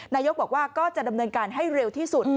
นายกบอกว่าก็จะดำเนินการให้เร็วที่สุด